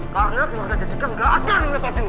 karena keluarga jessica gak akan lepasinmu